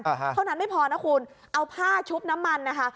เท่านั้นไม่พอนะคุณเอาผ้าชุบน้ำมันนะคะ